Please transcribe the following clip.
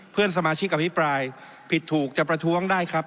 เพื่อนสมาชิกอภิปรายผิดถูกจะประท้วงได้ครับ